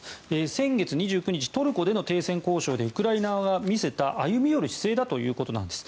先月２９日トルコでの停戦交渉でウクライナ側が見せた歩み寄る姿勢だということです。